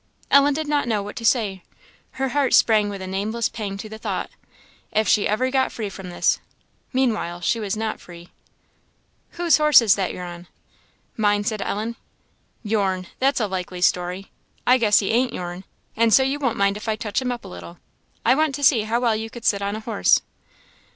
Ellen did not know what to say, her heart sprang with a nameless pang to the thought, if she ever got free from this! Meanwhile she was not free. "Whose horse is that you're on?" "Mine," said Ellen. "Your'n! that's a likely story. I guess he ain't your'n, and so you won't mind if I touch him up a little; I want to see how well you can sit on a horse."